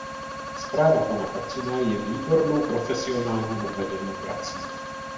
Zpráva pana Kacina je výbornou profesionálně odvedenou prací.